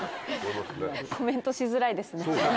コメントしづらいですね。